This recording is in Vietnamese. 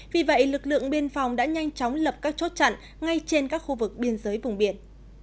vì vậy lực lượng biên phòng đã nhanh chóng lập các chốt chặn ngay trên các khu vực biên giới vùng biển